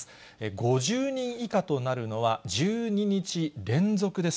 ５０人以下となるのは１２日連続です。